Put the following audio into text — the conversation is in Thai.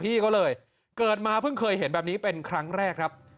พี่เขาเลยเกิดมาเพิ่งเคยเห็นแบบนี้เป็นครั้งแรกครับ